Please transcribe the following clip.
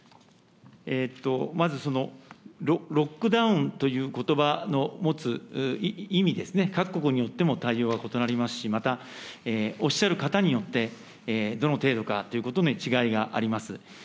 まず、そのロックダウンということばの持つ意味ですね、各国によっても対応が異なりますし、またおっしゃる方によって、どの程度かということに違いがあります。